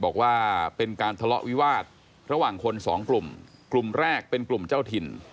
บอกว่าเป็นการทะเลาะวิวาสระหว่างคนสองกลุ่มกลุ่มแรกเป็นกลุ่มเจ้าถิ่น